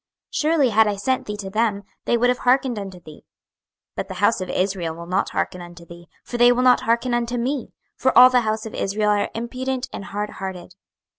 Surely, had I sent thee to them, they would have hearkened unto thee. 26:003:007 But the house of Israel will not hearken unto thee; for they will not hearken unto me: for all the house of Israel are impudent and hardhearted.